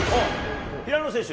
平野選手。